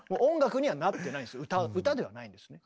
歌ではないんですね。